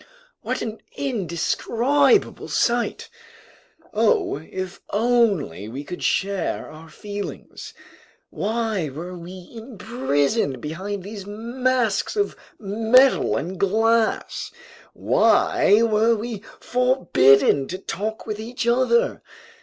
What an indescribable sight! Oh, if only we could share our feelings! Why were we imprisoned behind these masks of metal and glass! Why were we forbidden to talk with each other!